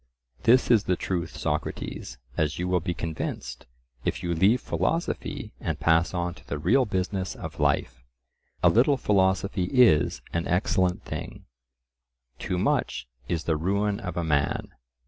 This is the truth, Socrates, as you will be convinced, if you leave philosophy and pass on to the real business of life. A little philosophy is an excellent thing; too much is the ruin of a man.